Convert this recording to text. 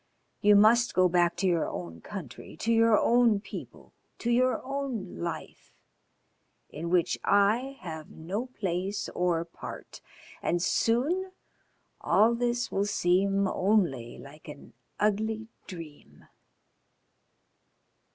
You must go back to your own country, to your own people, to your own life, in which I have no place or part, and soon all this will seem only like an ugly dream."